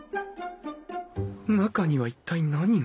中には一体何が？